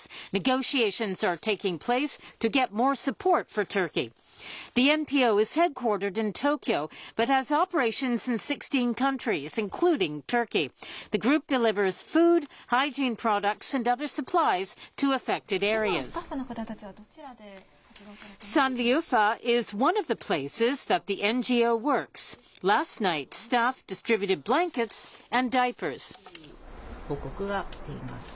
今、スタッフの方たちはどちらで活動されてますか？